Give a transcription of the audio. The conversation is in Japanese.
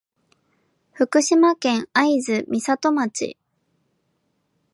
福島県会津美里町